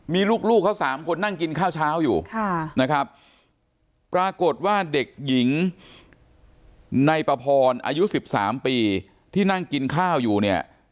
มีลูกเขา๓คนนั่งกินข้าวเช้าอยู่นะครับปรากฏว่าเด็กหญิงในปพรอายุ๑๓ปีที่นั่งกินข้าวอยู่เนี่ย